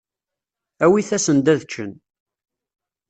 Awit-asen-d ad ččen.